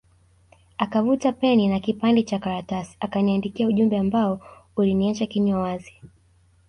Akavuta peni na kipande Cha karatasi akaniandikia ujumbe ambao uliniacha kinywa wazi